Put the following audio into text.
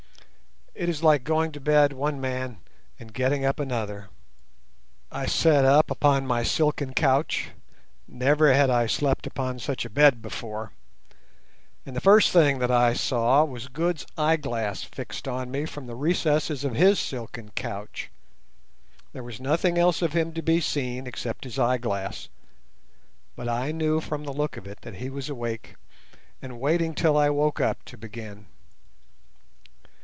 It is like going to bed one man and getting up another. I sat up upon my silken couch—never had I slept upon such a bed before—and the first thing that I saw was Good's eyeglass fixed on me from the recesses of his silken couch. There was nothing else of him to be seen except his eyeglass, but I knew from the look of it that he was awake, and waiting till I woke up to begin.